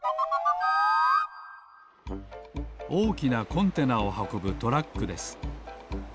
おおきなコンテナをはこぶトラックです。